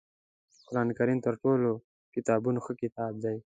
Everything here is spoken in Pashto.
قرآنکریم تر ټولو کتابونو ښه کتاب دی